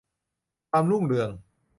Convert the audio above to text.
ความรุ่งเรือง